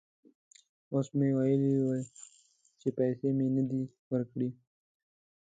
اوس که مې ویلي وای چې پیسې مې نه دي ورکړي.